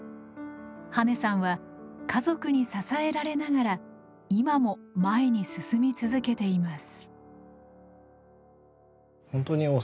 羽根さんは家族に支えられながら今も前に進み続けています。